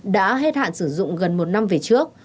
đã hết hạn sử dụng gần một năm về trước